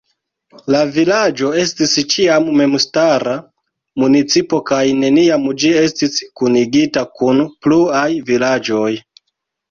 La vilaĝo estis ĉiam memstara municipo kaj neniam ĝi estis kunigita kun pluaj vilaĝoj.